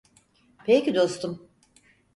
Peki dostum.